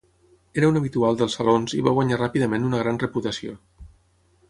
Era un habitual dels Salons i va guanyar ràpidament una gran reputació.